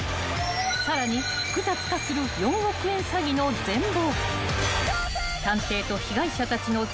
［さらに複雑化する４億円詐欺の全貌］